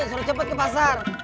suruh cepet ke pasar